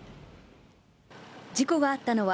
事故があったのは、